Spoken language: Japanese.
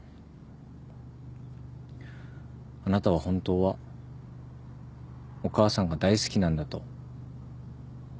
あなたは本当はお母さんが大好きなんだと僕は思います。